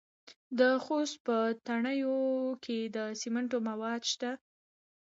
د خوست په تڼیو کې د سمنټو مواد شته.